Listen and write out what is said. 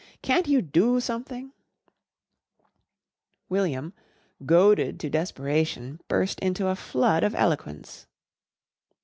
"Can't you do something?" William, goaded to desperation, burst into a flood of eloquence.